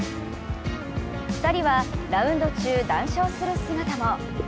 ２人はラウンド中、談笑する姿も。